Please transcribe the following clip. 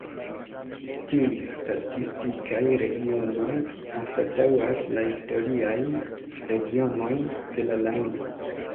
Tiuj statistikaj regionoj anstataŭas la historiajn regionojn de la lando.